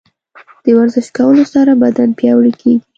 د ورزش کولو سره بدن پیاوړی کیږي.